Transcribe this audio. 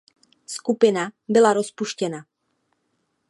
Skupina byla rozpuštěna.